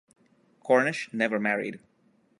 Cornish never married.